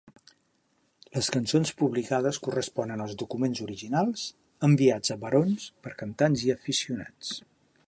Les cançons publicades corresponen als documents originals, enviats a Barons per cantants i aficionats.